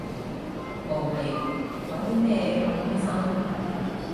無聊，玩啲咩咁開心？